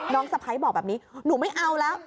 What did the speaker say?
น้องซะพัยเผาะแบบนี้หนูไม่เอาแล้ว